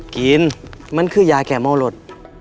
กินมันคือยาแก้มอรด